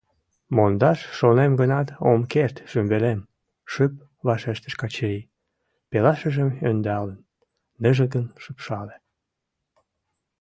— Мондаш шонем гынат, ом керт, шӱмбелем, — шып вашештыш Качырий, пелашыжым ӧндалын, ныжылгын шупшале.